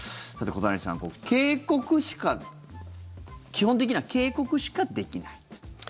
小谷さん、警告しか基本的には警告しかできない？